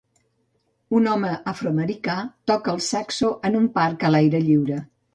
Un home afroamericà toca el saxo en un parc a l'aire lliure.